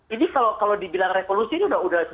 ini kalau dibilang revolusi ini sudah